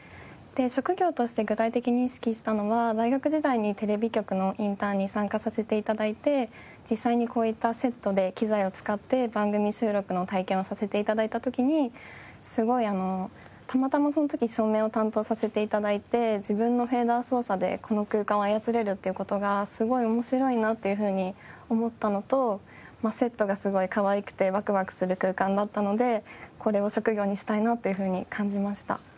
職業として具体的に意識したのは大学時代にテレビ局のインターンに参加させて頂いて実際にこういったセットで機材を使って番組収録の体験をさせて頂いた時にすごいたまたまその時に照明を担当させて頂いて自分のフェーダー操作でこの空間を操れるという事がすごい面白いなっていうふうに思ったのとセットがすごいかわいくてワクワクする空間だったのでこれを職業にしたいなというふうに感じました。